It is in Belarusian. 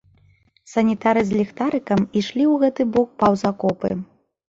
Санітары з ліхтарыкам ішлі ў гэты бок паўз акопы.